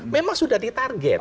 memang sudah di target